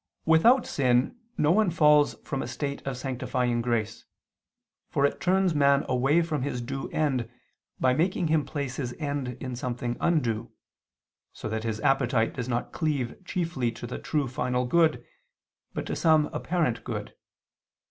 1: Without sin no one falls from a state of sanctifying grace, for it turns man away from his due end by making him place his end in something undue: so that his appetite does not cleave chiefly to the true final good, but to some apparent good.